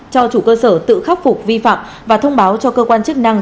cho chủ cơ sở tự khắc phục vi phạm và thông báo cho cơ quan chức năng